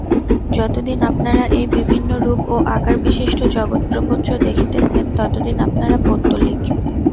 যতদিন আপনারা এই বিভিন্ন রূপ ও আকারবিশিষ্ট জগৎপ্রপঞ্চ দেখিতেছেন, ততদিন আপনারা পৌত্তলিক।